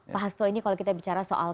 pak hasto ini kalau kita bicara soal